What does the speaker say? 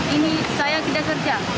ini saya tidak kerja